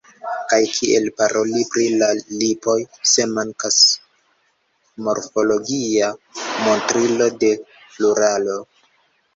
Kaj kiel paroli pri la lipoJ, se mankas morfologia montrilo de pluralo!